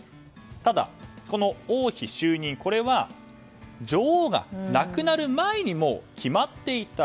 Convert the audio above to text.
ただ、この王妃就任これは女王が亡くなる前に決まっていた。